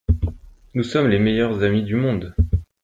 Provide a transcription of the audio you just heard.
Nous sommes les meilleurs amis du monde.